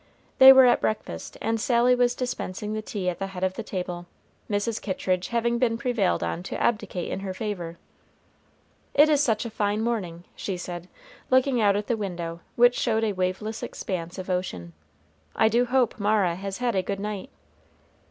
They were at breakfast, and Sally was dispensing the tea at the head of the table, Mrs. Kittridge having been prevailed on to abdicate in her favor. "It is such a fine morning," she said, looking out at the window, which showed a waveless expanse of ocean. "I do hope Mara has had a good night."